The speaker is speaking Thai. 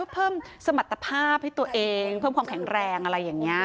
เพิ่มสมรรถภาพให้ตัวเองเพิ่มความแข็งแรงอะไรอย่างนี้